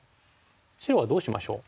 白はどうしましょう。